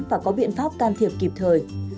và có biện pháp can thiệp kịp thời